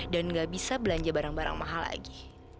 dan nggak bisa belanja barang barang mahal lagi